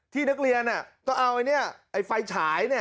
ที่นักเรียนน่ะต้องเอาไอ้ไฟฉายเนี่ย